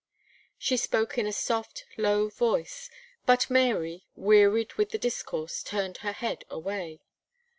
She spoke in a soft, low voice; but Mary, wearied with the discourse, turned her head away.